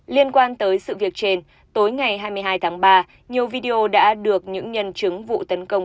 liên quan tới sự việc trên tối ngày hai mươi hai tháng ba nhiều video đã được những nhân chứng vụ tấn công